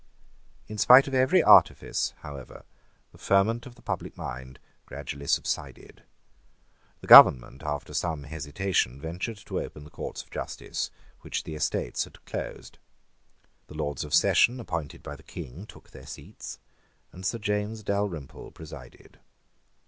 In spite of every artifice, however, the ferment of the public mind gradually subsided. The Government, after some hesitation, ventured to open the Courts of justice which the Estates had closed. The Lords of Session appointed by the King took their seats; and Sir James Dalrymple presided.